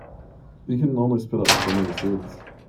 You can only spit out so many seeds.